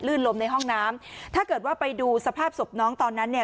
ลมในห้องน้ำถ้าเกิดว่าไปดูสภาพศพน้องตอนนั้นเนี่ย